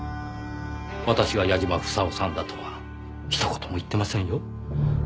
私は矢嶋房夫さんだとはひと言も言ってませんよ。